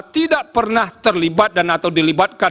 tidak pernah terlibat dan atau dilibatkan